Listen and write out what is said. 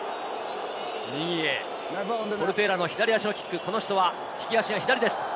右へ、ポルテーラの左足のキック、この人は利き足が左です。